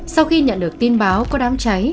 sau khi nhận được tin báo có đám trải